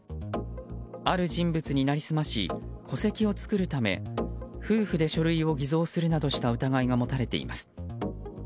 ある人物に成り済まし戸籍を作るため夫婦で書類を偽造するなどした疑いが持たれています。